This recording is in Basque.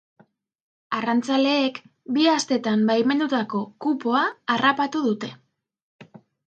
Arrantzaleek bi astetan baimendutako kupoa harrapatu dute.